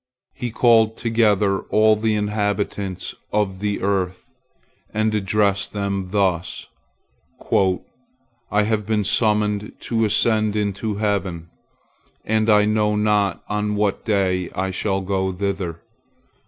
He called together all the inhabitants of the earth, and addressed them thus: "I have been summoned to ascend into heaven, and I know not on what day I shall go thither.